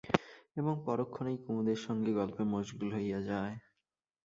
এবং পরক্ষণেই কুমুদের সঙ্গে গল্পে মশগুল হইয়া যায়।